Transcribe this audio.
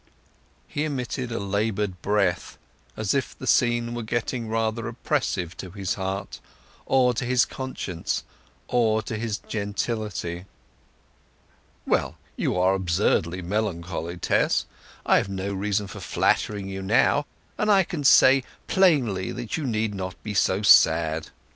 He emitted a laboured breath, as if the scene were getting rather oppressive to his heart, or to his conscience, or to his gentility. "Well, you are absurdly melancholy, Tess. I have no reason for flattering you now, and I can say plainly that you need not be so sad.